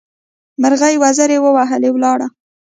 مرغۍ وزرې ووهلې؛ ولاړه.